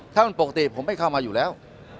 ถ้ามันปกติผมไม่เข้ามาอยู่แล้ว